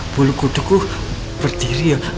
bulu kuduku berdiri ya